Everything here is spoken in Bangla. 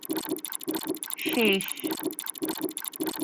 এটা কখনোই শেষ হবে না।